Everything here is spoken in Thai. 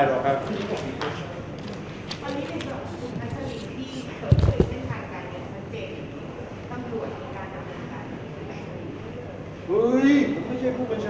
ตั้งแต่คุณชุมิตยังรู้ตั้งแต่คุณสำรวจ